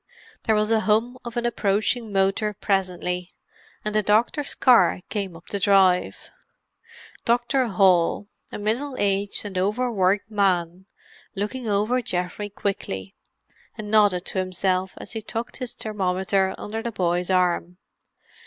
There was a hum of an approaching motor presently, and the doctor's car came up the drive. Dr. Hall, a middle aged and over worked man, looked over Geoffrey quickly, and nodded to himself, as he tucked his thermometer under the boy's arm.